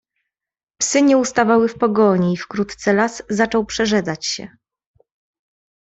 "Psy nie ustawały w pogoni i wkrótce las zaczął przerzedzać się."